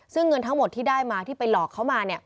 ซึ่งเงินทั้งหมดที่ได้มาที่ไปหลอกเขามา